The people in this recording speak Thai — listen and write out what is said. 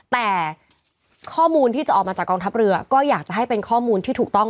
แต่ข้อมูลที่จะออกมาจากกองทัพเรือก็อยากจะให้เป็นข้อมูลที่ถูกต้อง